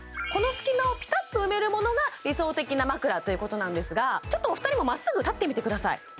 この隙間をピタッと埋めるものが理想的な枕ということなんですがちょっとお二人もまっすぐ立ってみてください